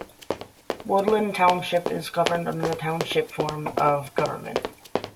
Woodland Township is governed under the Township form of government.